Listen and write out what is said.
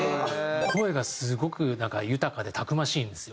声がすごく豊かでたくましいんですよ。